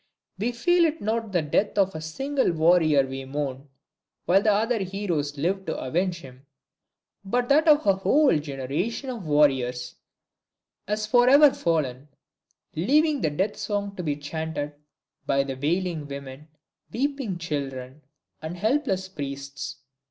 We feel it is not the death of a single warrior we mourn, while other heroes live to avenge him, but that a whole generation of warriors has forever fallen, leaving the death song to be chanted but by wailing women, weeping children and helpless priests.